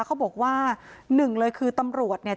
เขาบอกว่าหนึ่งเลยคือตำรวจเนี่ย